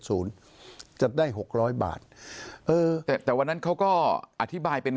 ศูนย์จะได้หกร้อยบาทเออแต่แต่วันนั้นเขาก็อธิบายเป็น